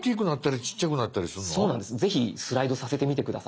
ぜひスライドさせてみて下さい。